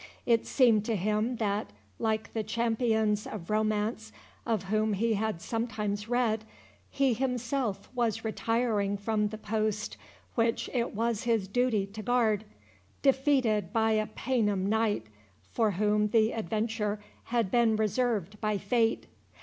It seemed to him that, like the champions of romance of whom he had sometimes read, he himself was retiring from the post which it was his duty to guard, defeated by a Paynim knight, for whom the adventure had been reserved by fate.